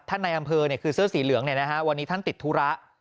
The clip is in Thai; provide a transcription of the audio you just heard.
ท่านในอำเภอเนี่ยคือเสื้อสีเหลืองเนี่ยนะคะวันนี้ท่านติดธุระ